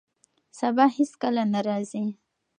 سبا هیڅکله نه راځي.